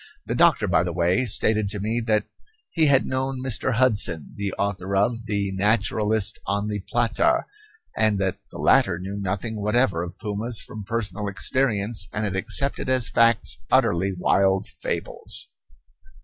The doctor, by the way, stated to me that he had known Mr. Hudson, the author of the "Naturalist on the Plata," and that the latter knew nothing whatever of pumas from personal experience and had accepted as facts utterly wild fables.